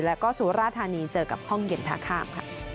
และก็สุราธารณีเจอกับห้องเย็นทางข้าม